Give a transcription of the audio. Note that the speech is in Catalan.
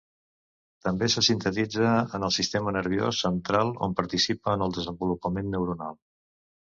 També se sintetitza en el sistema nerviós central on participa en el desenvolupament neuronal.